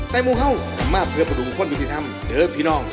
แต่มูเห่ามาเพื่อประดุงคนวิทยธรรมเดิร์กพี่น้อง